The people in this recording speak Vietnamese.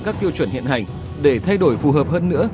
các tiêu chuẩn hiện hành để thay đổi phù hợp hơn nữa